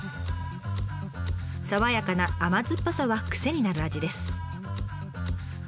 爽やかな甘酸っぱさはクセになる味です。